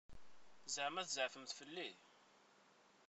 Ẓeɛma tzeɛfemt fell-i?